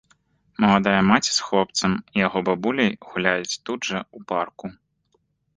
Маладая маці з хлопцам і яго бабуляй гуляюць тут жа ў парку.